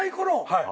はい。